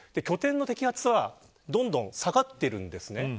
拠点の摘発の数はどんどん下がってきています。